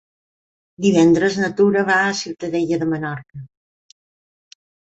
Divendres na Tura va a Ciutadella de Menorca.